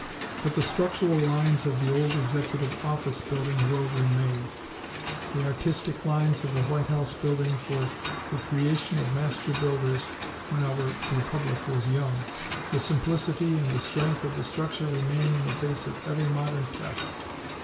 But the structural lines of the old Executive Office Building will remain. The artistic lines of the White House buildings were the creation of master builders when our Republic was young. The simplicity and the strength of the structure remain in the face of every modern test.